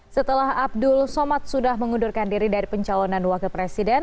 setelah abdul somad sudah mengundurkan diri dari pencalonan wakil presiden